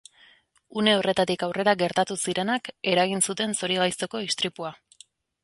Une horretatik aurrera gertatu zirenak eragin zuten zorigaiztoko istripua.